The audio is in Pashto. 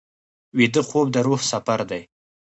ویده خوب د روح سفر دی